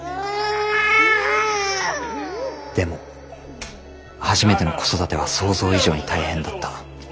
でも初めての子育ては想像以上に大変だった。